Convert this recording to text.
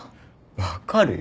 分かるよ。